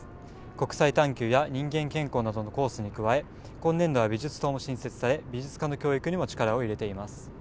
国際探求や人間健康などのコースに加え今年度は美術棟も新設され美術科の教育にも力を入れています。